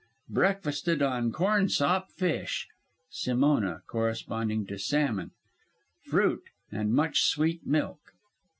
Breakfasted on cornsop, fish (Semona, corresponding to salmon), fruit, and much sweet milk.'"